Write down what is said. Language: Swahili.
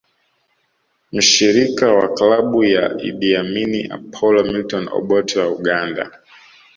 Mshirika wa karibu wa Idi Amin Apolo Milton Obote wa Uganda